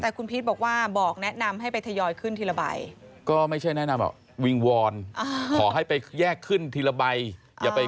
แต่คุณพีทบอกว่าบอกแนะนำให้ไปทะยอยขึ้นที่ละใบ